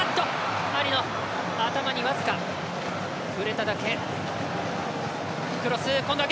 頭に僅か触れただけ。